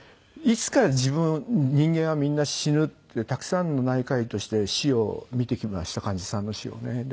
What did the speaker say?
いつか自分人間はみんな死ぬってたくさんの内科医として死を見てきました患者さんの死をね。